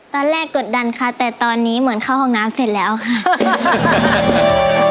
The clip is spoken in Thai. กดดันค่ะแต่ตอนนี้เหมือนเข้าห้องน้ำเสร็จแล้วค่ะ